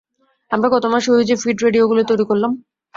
আমরা গত মাসে ঐযে ফিল্ড রেডিওগুলো তৈরি করলাম?